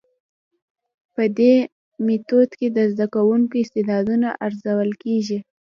په دي ميتود کي د زده کوونکو استعدادونه ارزول کيږي.